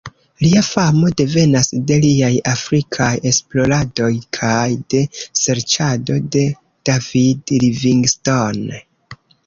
Lia famo devenas de liaj afrikaj esploradoj kaj de serĉado de David Livingstone.